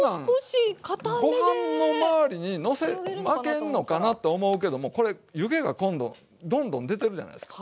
こんなんご飯の周りにまけんのかなと思うけどもこれ湯気が今度どんどん出てるじゃないですか。